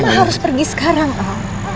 mama harus pergi sekarang al